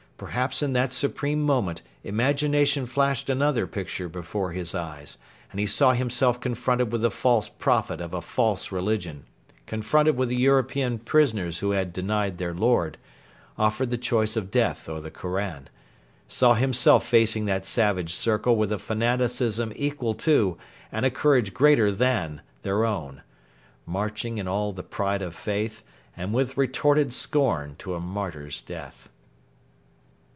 Perhaps in that supreme moment imagination flashed another picture before his eyes; and he saw himself confronted with the false prophet of a false religion, confronted with the European prisoners who had 'denied their Lord,' offered the choice of death or the Koran; saw himself facing that savage circle with a fanaticism equal to, and a courage greater than, their own; marching in all the pride of faith 'and with retorted scorn' to a martyr's death.